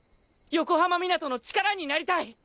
横浜湊の力になりたい！